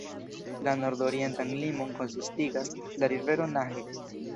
La nordorientan limon konsistigas la rivero Nahe.